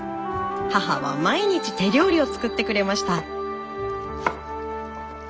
母は毎日手料理を作ってくれました。